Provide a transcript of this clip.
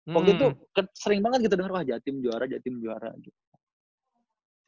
waktu itu sering banget kita dengar wah jatim juara jatim juara juga